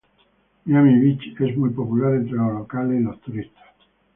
Miami Beach es muy popular entre los locales y los turistas.